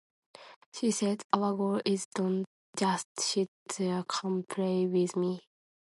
She said: "our goal is, don't just sit there - come play with me".